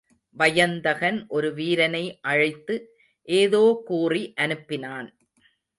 வயந்தகன் ஒரு வீரனை அழைத்து ஏதோ கூறி அனுப்பினான்.